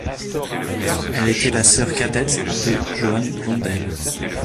Elle était la sœur cadette de Joan Blondell.